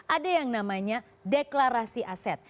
ada yang namanya deklarasi aset